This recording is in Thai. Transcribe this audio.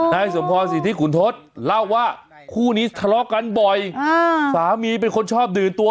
นายสมพรสิทธิขุนทศเล่าว่าคู่นี้ทะเลาะกันบ่อยสามีเป็นคนชอบดื่มตัว